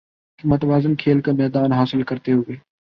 ایک متوازن کھیل کا میدان حاصل کرتے ہوے